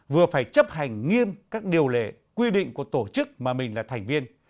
vừa phải chấp hành nghiêm các điều lệ quy định của tổ chức mà mình là thành viên